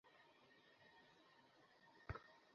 সুচরিতার সংকল্প ভঙ্গ হইল– সে সংসারের কোনো কথাই তুলিতে পারিল না।